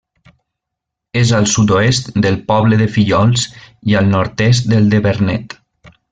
És al sud-oest del poble de Fillols i al nord-est del de Vernet.